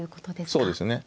そうですね。